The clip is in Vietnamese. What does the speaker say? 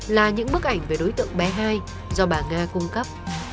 là những bức ảnh về đối tượng bé hai do bà nga cung cấp